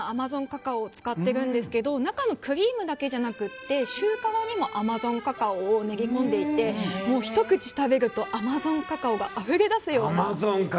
カカオを使ってるんですけど中のクリームだけじゃなくてシュー皮にもアマゾンカカオを練り込んでいてひと口食べるとアマゾンカカオがあふれ出すような。